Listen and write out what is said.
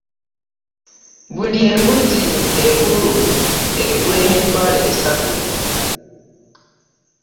Buli mbuzi enkulu egula emitwalo asatu.